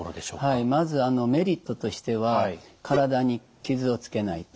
はいまずメリットとしては体に傷をつけない。